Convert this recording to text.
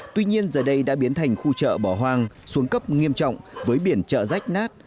tuy nhiên giờ đây đã biến thành khu chợ bỏ hoang xuống cấp nghiêm trọng với biển chợ rách nát